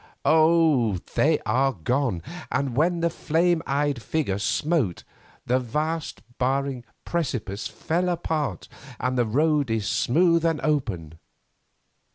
Oh! they are gone, and when the flame eyed Figure smote, the vast, barring, precipices fall apart and the road is smooth and open.